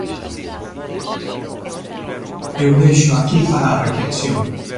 Eu déixoo aquí para reflexión.